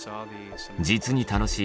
実に楽しい。